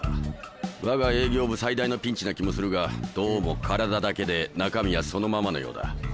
我が営業部最大のピンチな気もするがどうも体だけで中身はそのままのようだ。